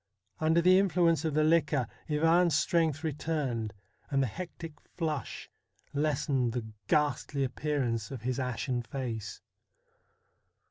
Under the influence of the liquor, Ivan's strength returned, and the hectic flush lessened the ghastly appearance of his ashen face.